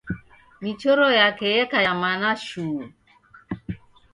Michoro yake yeka ya mana shuu.